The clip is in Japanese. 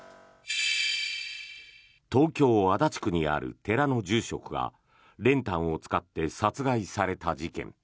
東京・足立区にある寺の住職が練炭を使って殺害された事件。